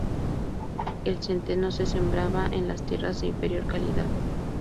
El centeno se sembraba en las tierras de inferior calidad.